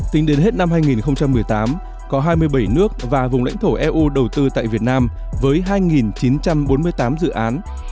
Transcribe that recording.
tính đến hết năm hai nghìn một mươi tám có hai mươi bảy nước và vùng lãnh thổ eu đầu tư tại việt nam với hai chín trăm bốn mươi tám dự án